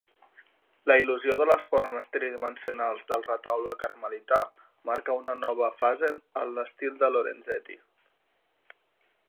La il·lusió de les formes tridimensionals del retaule carmelità marca una nova fase en l'estil de Lorenzetti.